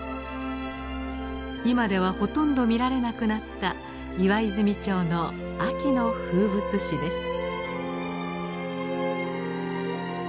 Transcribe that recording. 今ではほとんど見られなくなった岩泉町の秋の風物詩です。